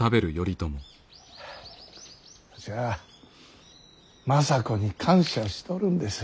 わしは政子に感謝しとるんです。